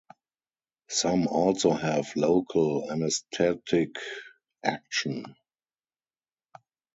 Some also have local anesthetic action.